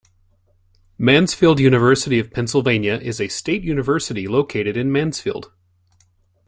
Mansfield University of Pennsylvania is a state university located in Mansfield.